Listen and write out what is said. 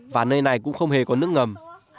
và nơi này cũng không hề có nước ngầm